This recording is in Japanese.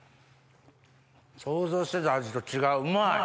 想像してた味と違ううまい。